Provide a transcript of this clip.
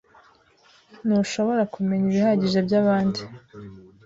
Ntushobora kumenya ibihagije byabandi